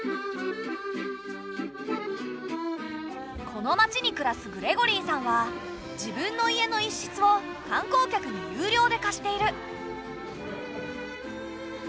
この町に暮らすグレゴリーさんは自分の家の一室を観光客に有料で貸している。